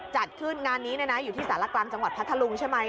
จัดขึ้นงานนี้อยู่ที่สารกลางจังหวัดพัทธลุงใช่ไหม